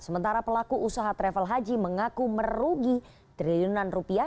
sementara pelaku usaha travel haji mengaku merugi triliunan rupiah